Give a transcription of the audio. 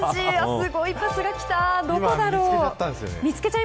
すごいパスが来たどこだろう。